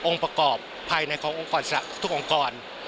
องค์ประกอบภายในขององค์กรอิสระทุกองค์กร